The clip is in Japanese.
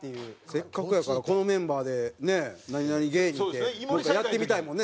せっかくやからこのメンバーでね何々芸人ってやってみたいもんね